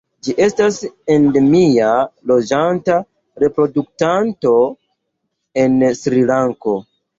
Ĝi estas endemia loĝanta reproduktanto en Srilanko.